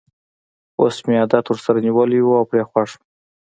اوس مې عادت ورسره نیولی وو او پرې خوښ وم.